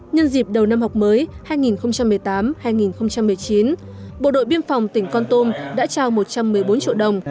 nhân dịp đầu năm học mới hai nghìn một mươi tám hai nghìn một mươi chín bộ đội biên phòng tỉnh con tum đã trao một trăm một mươi bốn triệu đồng